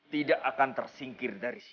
tidak akan tersingkir dari situ